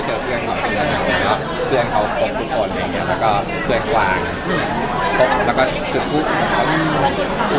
หลังจากทดสอบที่สุดบอกว่าส่งออกมันซี่